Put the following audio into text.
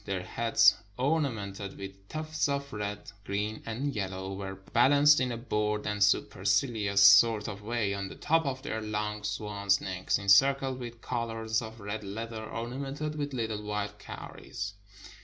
Their heads, ornamented with tufts of red, green, and yellow, were balanced in a bored and supercilious sort of way on the top of their long swans' necks, encircled with collars of red leather ornamented with little white cow ries.